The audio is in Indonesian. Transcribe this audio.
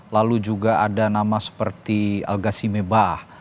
lalu juga ada nama seperti al gassime bach